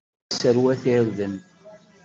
La yesserwat irden.